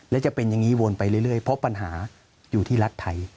และจะเป็นอย่างนี้วนไปเรื่อยเพราะปัญหาอยู่ที่รัฐไทย